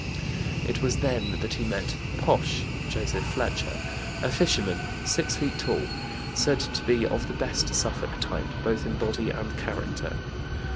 It was then that he met "Posh" (Joseph Fletcher), a fisherman, 6 feet tall, said to be of the best Suffolk type, both in body and character.